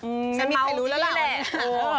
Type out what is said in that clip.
อืมไม่รู้แล้วว่าวันนี้คือ